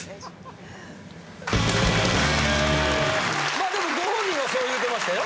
まあでもご本人はそう言うてましたよ。